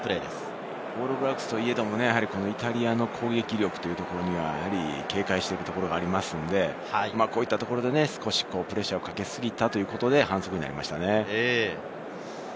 オールブラックスといえども、イタリアの攻撃力には警戒しているところがありますので、プレッシャーをかけすぎたということで、反則になりましたね。